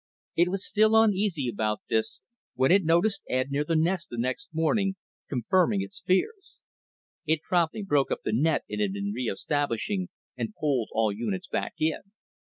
It was still uneasy about this when it noticed Ed near the nest the next morning, confirming its fears. It promptly broke up the net it had been re establishing and pulled all units back in.